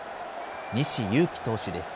西勇輝投手です。